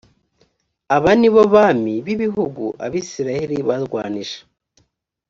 aba ni bo bami b ibihugu abisirayeli barwanije